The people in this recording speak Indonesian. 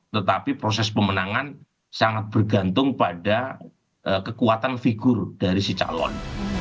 tetapi proses pemenangan sangat bergantung pada kekuatan figur dari si calon